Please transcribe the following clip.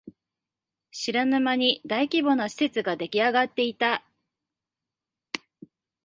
知らぬ間に大規模な施設ができあがっていた